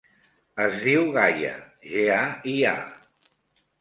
Es diu Gaia: ge, a, i, a.